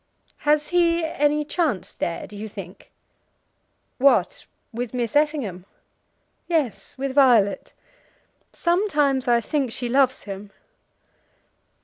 "Has he any chance there, do you think?" "What, with Miss Effingham?" "Yes; with Violet. Sometimes I think she loves him."